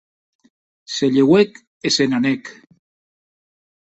Se lheuèc e se n'anèc.